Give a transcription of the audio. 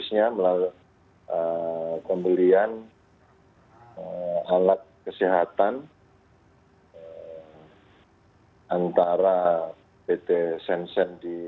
assalamualaikum warahmatullahi wabarakatuh